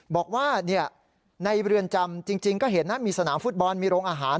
บอกว่าในเรือนจำจริงก็เห็นนะมีสนามฟุตบอลมีโรงอาหาร